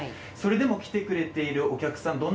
それでも来てくれているお客さん